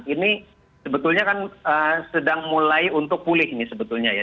ini sebetulnya kan sedang mulai untuk pulih nih sebetulnya ya